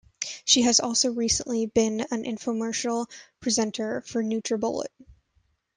She has also recently been an infomercial presenter for Nutribullet.